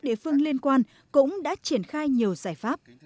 địa phương liên quan cũng đã triển khai nhiều giải pháp